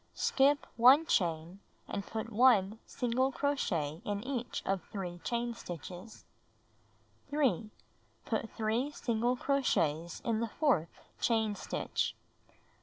Skip 1 chain, and put 1 single crochet in each of 3 chain stitches. 3. Put 3 single crochets in the fourth chain stitch.